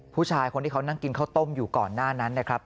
ผู้ชายคนที่เขานั่งกินข้าวต้มอยู่ก่อนหน้านั้นนะครับ